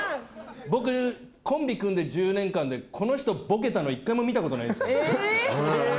僕コンビ組んで１０年間でこの人ボケたの１回も見たことないんですよ。え！